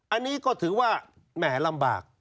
อันนี้ก็ถือว่าแหมลำบาก